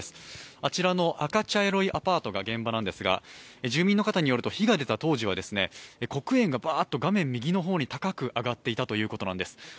あちらの赤茶色いアパートが現場なんですが住民の方によると、火が出た当時は黒煙がパーっと画面右の方に高く上がっていたということなんです。